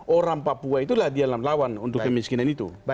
orang papua itu dia lawan untuk kemiskinan itu